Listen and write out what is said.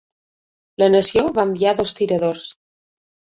La nació va enviar dos tiradors.